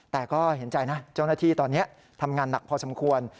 แต่ก็เห็นใจนะเจ้าหน้าที่ตอนนี้ทำงานหนักพอสมควร